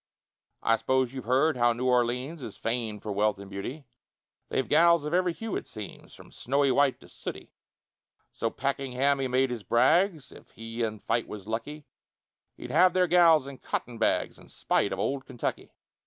I s'pose you've heard how New Orleans Is famed for wealth and beauty; They've gals of every hue, it seems, From snowy white to sooty: So Pakenham he made his brags If he in fight was lucky, He'd have their gals and cotton bags, In spite of Old Kentucky.